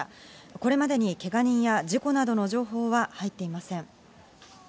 これまでに、けが人や事故などの情報は入っていません。